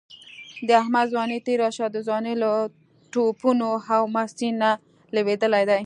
د احمد ځواني تېره شوله، د ځوانۍ له ټوپونو او مستۍ نه لوېدلی دی.